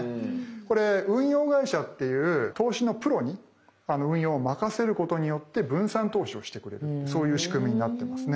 これ運用会社っていう投資のプロに運用を任せることによって分散投資をしてくれるそういう仕組みになってますね。